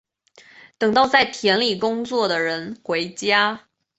等到在田里工作的人回家